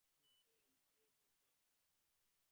পূর্ণ তো একেবারে বজ্রাহতবৎ!